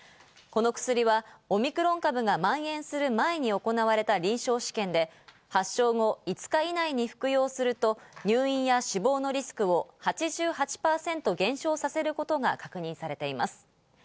この薬はオミクロン株がまん延する前に行われた臨床試験で、発症後５日以内に服用すると、入院や死亡のリスクを８８％減少させることが確認されています。